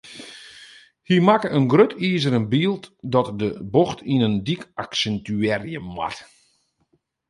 Hy makke in grut izeren byld dat de bocht yn in dyk aksintuearje moat.